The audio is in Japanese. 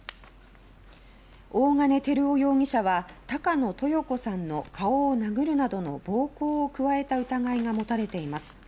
大金照男容疑者は高野豊子さんの顔を殴るなどの暴行を加えた疑いが持たれています。